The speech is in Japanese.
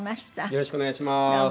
よろしくお願いします。